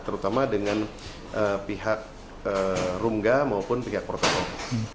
terutama dengan pihak rungga maupun pihak protokol